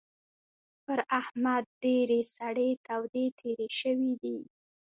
پر احمد ډېرې سړې تودې تېرې شوې دي.